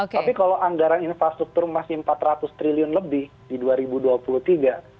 tapi kalau anggaran infrastruktur masih empat ratus triliun lebih di dua ribu dua puluh tiga